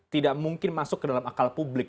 tidak mungkin masuk ke dalam akal publik